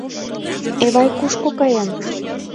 Эвай кушко каен?